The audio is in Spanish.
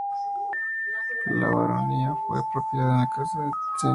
La baronía fue propiedad de la casa de Entenza.